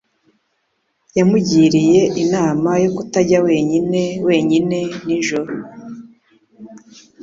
Yamugiriye inama yo kutajya wenyine wenyine nijoro